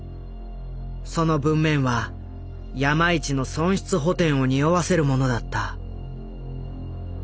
その文面は山一の損失補てんをにおわせるものだった。